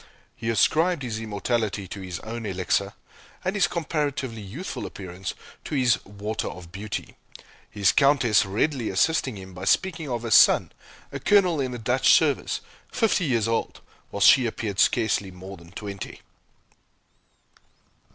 He ascribed his immortality to his own Elixir, and his comparatively youthful appearance to his "Water of Beauty," his Countess readily assisting him by speaking of her son, a Colonel in the Dutch service, fifty years old, while she appeared scarcely more than twenty.